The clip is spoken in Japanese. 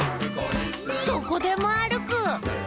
「どこでもあるく！」